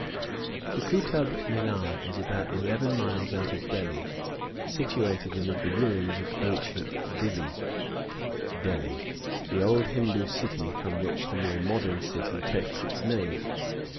The Kootub Minar is about eleven miles out of Delhi, situated amid the ruins of ancient Dilli (Delhi), the old Hindoo city from which the more modern city takes its name.